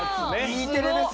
Ｅテレですね。